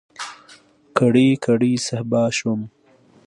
کړۍ، کړۍ صهبا شوم